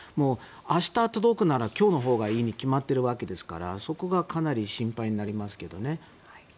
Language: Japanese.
明日届くなら今日のほうがいいに決まっているわけですからそこがかなり心配になりますけどね。